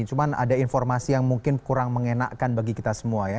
cuma ada informasi yang mungkin kurang mengenakan bagi kita semua ya